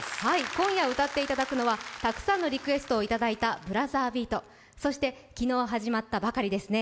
今夜歌っていただくのはたくさんのリクエストをいただいた「ブラザービート」、そして、昨日始まったばかりですね